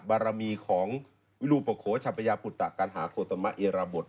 บรรมีของวิลูปโขชัพยาปุตตะการหาโฆษมะเอราบท